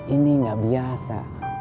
ini gak biasa